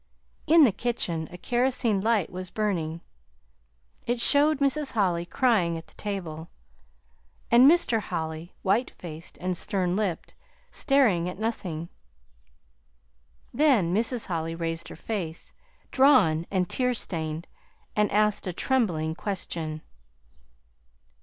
In the kitchen a kerosene light was burning. It showed Mrs. Holly crying at the table, and Mr. Holly, white faced and stern lipped, staring at nothing. Then Mrs. Holly raised her face, drawn and tear stained, and asked a trembling question.